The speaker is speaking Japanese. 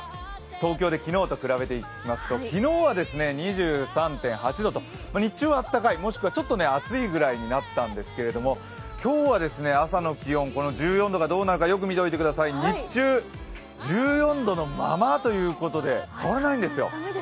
東京で昨日と比べていきますと昨日は２３．８度と日中はあったかい、もしくはちょっと暑いくらいになったんですけれど今日は朝の気温この１４度がどうなるかよく見ていてくださいよ、日中、１４度のままということで変わらないんですよ。